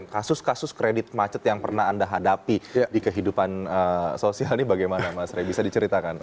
kasus kasus kredit macet yang pernah anda hadapi di kehidupan sosial ini bagaimana mas ray bisa diceritakan